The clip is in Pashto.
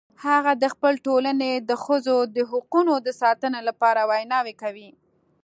هغه د خپل ټولنې د ښځو د حقونو د ساتنې لپاره ویناوې کوي